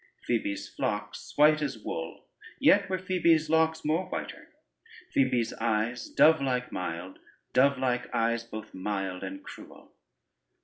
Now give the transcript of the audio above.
Phoebe's flocks, White as wool: Yet were Phoebe's locks more whiter. Phoebe's eyes Dovelike mild: Dovelike eyes, both mild and cruel.